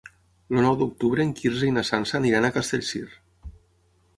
El nou d'octubre en Quirze i na Sança aniran a Castellcir.